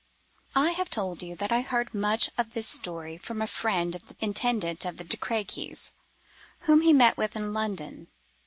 "I have told you that I heard much of this story from a friend of the Intendant of the De Crequys, whom he met with in London.